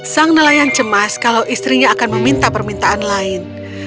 sang nelayan cemas kalau istrinya akan meminta permintaan lain